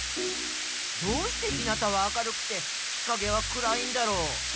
どうして日なたは明るくて日かげは暗いんだろう？